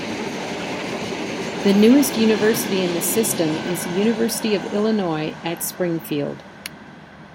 The newest university in the system is University of Illinois at Springfield.